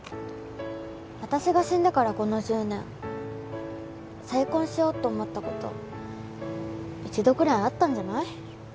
私が死んでからこの１０年再婚しようと思ったこと一度くらいあったんじゃない？